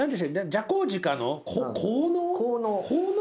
ジャコウジカの香のう？